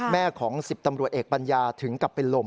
แม่ของ๑๐ตำรวจเอกปัญญาถึงกับเป็นลม